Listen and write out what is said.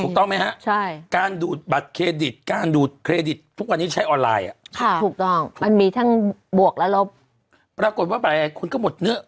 ถูกต้องใช่การดูดบัตรเครดิตการดูดเครดิตทุกวันนี้ใช้ออนไลน์